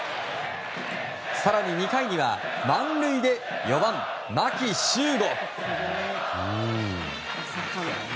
更に、２回には満塁で４番、牧秀悟。